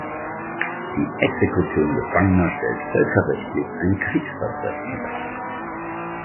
Die Exekution Gefangener stellt völkerrechtlich ein Kriegsverbrechen dar.